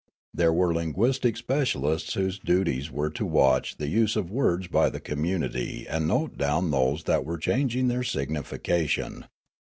There were linguistic specialists whose duties were to watch the use of words by the communit}^ and note down those that were changing their signification.